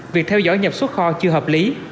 việc theo dõi nhập xuất kho chưa hợp lý